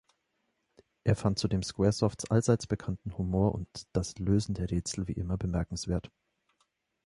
Er fand zudem Squaresofts allseits bekannten Humor und das Lösen der Rätsel wie immer bemerkenswert.